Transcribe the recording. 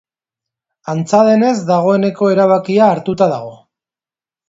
Antza denez, dagoeneko erabakia hartuta dago.